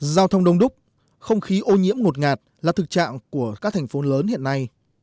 giao thông đông đúc không khí ô nhiễm ngột ngạt là thực trạng của các thành phố lớn hiện nay